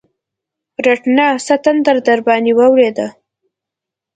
رټنه؛ څه تندر درباندې ولوېد؟!